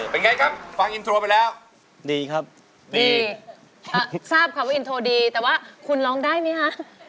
เป็นไงครับฟังอินโทรไปแล้วดีครับดีทราบคำว่าอินโทรดีแต่ว่าคุณร้องได้ไหมคะ